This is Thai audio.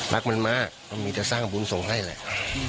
รักมันมากก็มีแต่สร้างบุญส่งให้แหละ